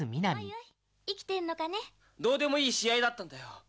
達也：どうでもいい試合だったんだよ。